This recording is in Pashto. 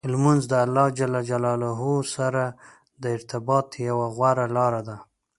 لمونځ د الله جل جلاله سره د ارتباط یوه غوره لار ده.